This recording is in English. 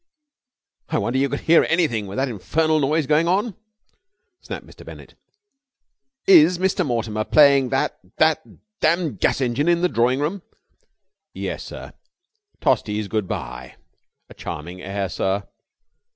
"I wonder you could hear anything with that infernal noise going on," snapped Mr. Bennett, "Is Mr. Mortimer playing that that damned gas engine in the drawing room?" "Yes, sir. Tosti's Goodbye. A charming air, sir."